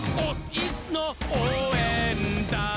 イスのおうえんだん！」